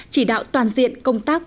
chỉ đạo toàn diện công tác